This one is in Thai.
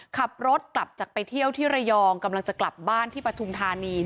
ขับรถกลับจากไปเที่ยวที่ระยองกำลังจะกลับบ้านที่ปฐุมธานี